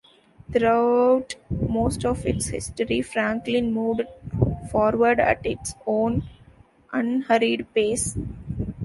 Throughout most of its history, Franklin moved forward at its own unhurried pace.